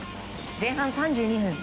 前半３２分。